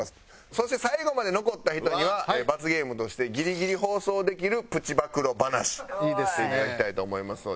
そして最後まで残った人には罰ゲームとしてギリギリ放送できるプチ暴露話していただきたいと思いますので。